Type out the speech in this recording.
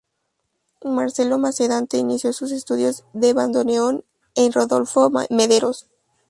Marcelo Mercadante inició sus estudios de bandoneón con Rodolfo Mederos.